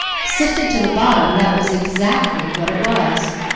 Sifted to the bottom that was exactly what it was.